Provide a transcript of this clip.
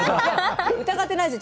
疑ってないです。